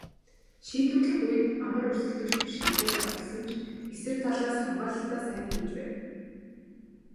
Шийдвэрлэх үед амар өрсөлдөгч биш гэдгээ харуулсан ч эсрэг талаас хамгаалалтаа сайн хийж байв.